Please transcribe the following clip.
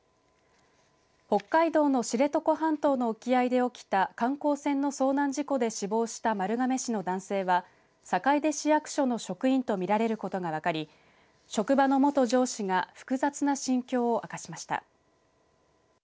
北海道の知床半島の沖合で起きた観光船の遭難事故で死亡した丸亀市の男性は坂出市役所の職員と見られることが分かり職場の元上司が複雑な心境を明かしました。